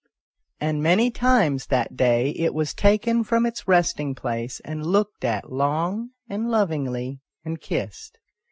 And many times that day it was taken from its resting place, and looked at long and lovingly, and kissed.